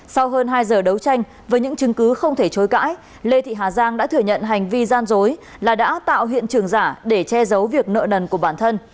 sau hơn hai giờ đấu tranh với những chứng cứ không thể chối cãi lê thị hà giang đã thừa nhận hành vi gian dối là đã tạo hiện trường giả để che giấu việc nợ nần của bản thân